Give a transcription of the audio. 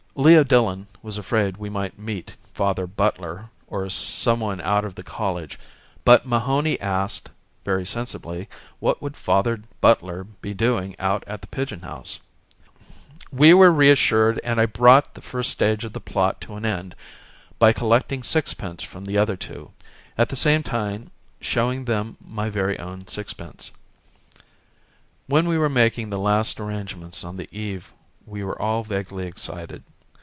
Leo Dillon was afraid we might meet Father Butler or someone out of the college; but Mahony asked, very sensibly, what would Father Butler be doing out at the Pigeon House. We were reassured: and I brought the first stage of the plot to an end by collecting sixpence from the other two, at the same time showing them my own sixpence. When we were making the last arrangements on the eve we were all vaguely excited.